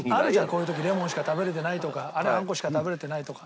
こういう時レモンしか食べれてないとかあんこしか食べれてないとか。